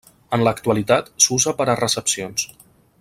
En l'actualitat s'usa per a recepcions.